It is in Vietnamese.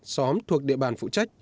xóm thuộc địa bàn phụ trách